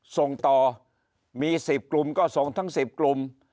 ส่งต่อมี๑๐กลุ่มก็ส่งทั้ง๑๐กลุ่ม